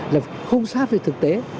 là không sát về thực tế